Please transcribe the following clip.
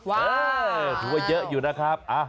ว้าวถูกว่าเยอะอยู่นะครับอ่ะ